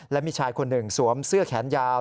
และมีชายคนหนึ่งสวมเสื้อแขนยาว